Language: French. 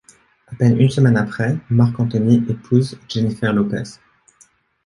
À peine une semaine après, Marc Anthony épouse Jennifer Lopez.